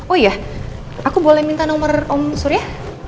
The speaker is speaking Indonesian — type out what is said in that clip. oh iya aku boleh minta nomor om surya